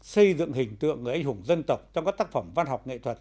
xây dựng hình tượng người anh hùng dân tộc trong các tác phẩm văn học